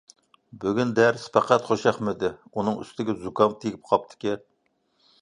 بۈگۈن دەرس پەقەت خۇشياقمىدى، ئۇنىڭ ئۈستىگە زۇكام تېگىپ قاپتىكەن.